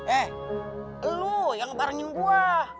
eh lu yang barengin buah